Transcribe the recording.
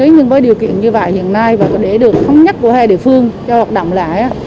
nhưng với điều kiện như vậy hiện nay và để được thống nhất của hai địa phương cho hoạt động lại